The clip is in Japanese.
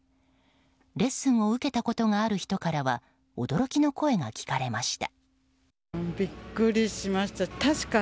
レッスンを受けたことがある人からは驚きの声が聞かれました。